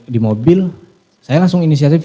di mobil saya langsung inisiatif